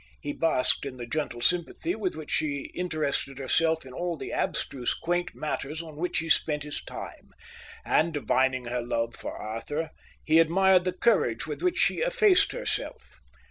He basked in the gentle sympathy with which she interested herself in all the abstruse, quaint matters on which he spent his time; and, divining her love for Arthur, he admired the courage with which she effaced herself.